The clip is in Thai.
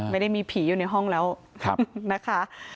ไม่ได้มีผีอยู่ในห้องแล้วนะคะ